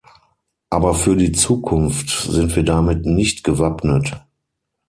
Aber für die Zukunft sind wir damit nicht gewappnet!